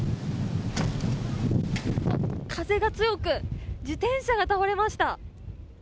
風が強く、自転車が倒れました。